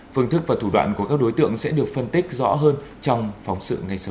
phương thức và thủ đoạn của các đối tượng sẽ được phân tích rõ hơn trong phóng sự ngay sau